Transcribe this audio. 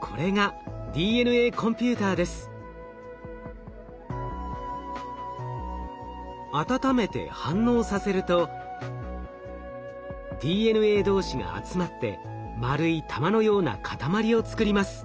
これが温めて反応させるとＤＮＡ同士が集まって丸い球のような塊を作ります。